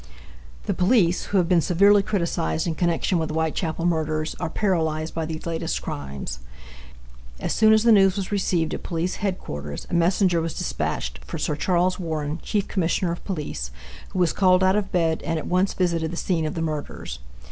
The police, who have been severly criticised in connection with the Whitechapel murders, are paralyzed by these latest crimes. As soon as the news was recieved at Police Headquarters a messenger was dispathed for Sir Charles Warren, Chief Commissioner of Police, who was called out of bed and at once visited the scene of the murders.